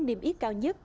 niềm ít cao nhất